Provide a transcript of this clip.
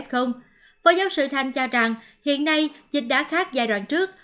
phó giáo sư thanh cho rằng hiện nay dịch đã khác giai đoạn trước